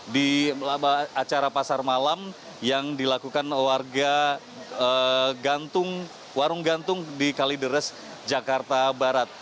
di acara pasar malam yang dilakukan warga warung gantung di kalideres jakarta barat